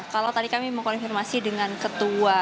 kalau tadi kami mengkonfirmasi dengan ketua